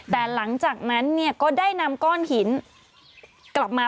แต่หลังจากนั้นเนี่ยก็ได้นำก้อนหินกลับมา